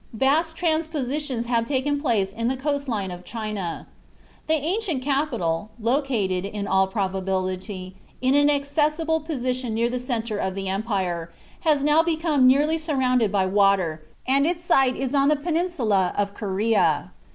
Vast transpositions have taken place in the coast line of China. The ancient capital, located, in all probability, in an accessible position near the centre of the empire, has now become nearly surrounded by water, and its site is on the peninsula of Corea....